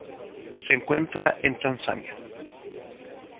Se encuentra en Tanzania.